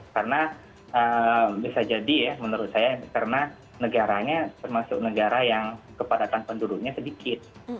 karena bisa jadi ya menurut saya karena negaranya termasuk negara yang kepadatan penduduknya sedikit